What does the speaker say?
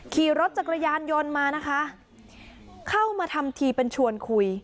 ขี่รถจักรยานยนต์มานะคะเข้ามาทำทีเป็นชวนคุย